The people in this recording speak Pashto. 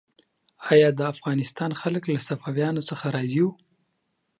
آیا د افغانستان خلک له صفویانو څخه راضي وو؟